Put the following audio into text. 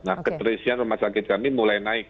nah keterisian rumah sakit kami mulai naik